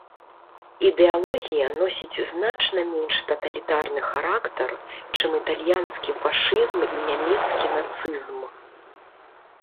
Ідэалогія носіць значна менш таталітарны характар, чым італьянскі фашызм і нямецкі нацызм.